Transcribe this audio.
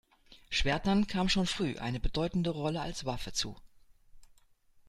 Schwertern kam schon früh eine bedeutende Rolle als Waffe zu.